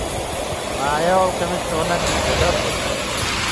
Маайа ол көмүс туһунан билбэтэ ордук